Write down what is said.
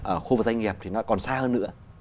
ở khu vực doanh nghiệp thì nó còn xa hơn nữa